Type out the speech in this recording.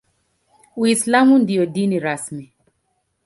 Uislamu ndio dini rasmi.